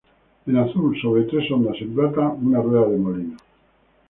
En azul, sobre tres ondas en plata una rueda de molino.